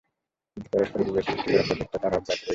কিন্তু পরস্পরে বিভেদ সৃষ্টি করার প্রচেষ্টা তার অব্যাহত রয়েছে।